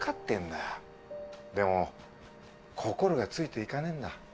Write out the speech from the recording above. でも心がついていかねえんだ。